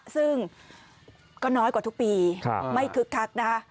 ซึ่งก็น้อยกว่าทุกปีไม่คึกคักนะคะ